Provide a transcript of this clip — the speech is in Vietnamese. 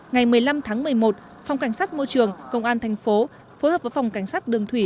ngày một mươi năm tháng một mươi một phòng cảnh sát môi trường công an thành phố phối hợp với phòng cảnh sát đường thủy